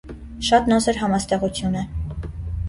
Շատ նոսր համաստեղություն է։